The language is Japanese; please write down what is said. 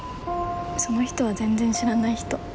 その人は全然知らない人。